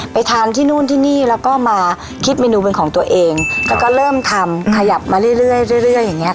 ทานที่นู่นที่นี่แล้วก็มาคิดเมนูเป็นของตัวเองแล้วก็เริ่มทำขยับมาเรื่อยเรื่อยอย่างเงี้